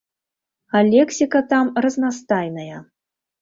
А лексіка там разнастайная.